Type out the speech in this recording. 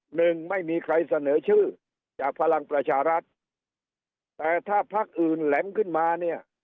หนึ่งไม่มีใครเสนอชื่อจากพลังประชารัฐแต่ถ้าพักอื่นแหลมขึ้นมาเนี่ย